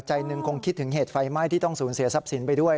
ใจหนึ่งคงคิดถึงเหตุไฟไหม้ที่ต้องสูญเสียทรัพย์สินไปด้วย